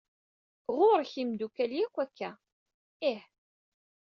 Ɣuṛ-k imdukkal, yak akka? ih.